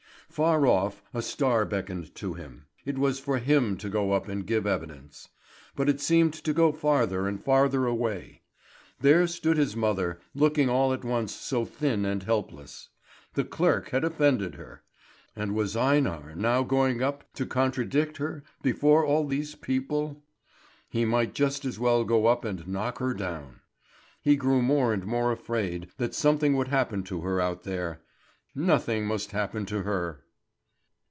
Far off a star beckoned to him; it was for him to go up and give evidence. But it seemed to go farther and farther away. There stood his mother, looking all at once so thin and helpless. The clerk had offended her. And was Einar now going up to contradict her before all these people? He might just as well go up and knock her down. He grew more and more afraid that something would happen to her out there. Nothing must happen to her!